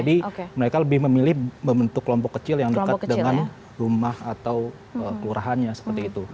jadi mereka lebih memilih membentuk kelompok kecil yang dekat dengan rumah atau kelurahannya seperti itu